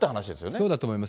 そうだと思います。